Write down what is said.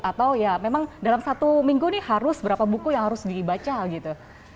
atau ya memang dalam satu minggu ini harus berapa buku yang harus dibaca gitu